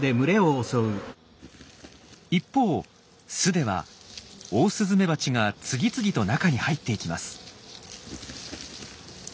一方巣ではオオスズメバチが次々と中に入っていきます。